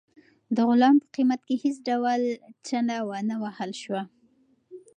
د غلام په قیمت کې هیڅ ډول چنه ونه وهل شوه.